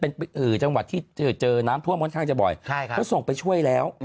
ถูกต้องที่มาช่วย